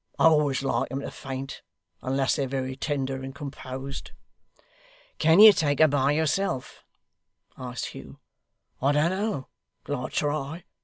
I always like 'em to faint, unless they're very tender and composed.' 'Can you take her by yourself?' asked Hugh. 'I don't know till I try.